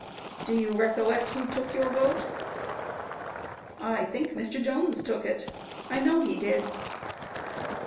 Q. Do you recollect who took your vote? A. I think Mr. Jones took it; I know he did.